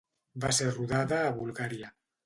Va ser rodada a Bulgària.